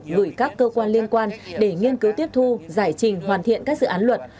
gửi các cơ quan liên quan để nghiên cứu tiếp thu giải trình hoàn thiện các dự án luật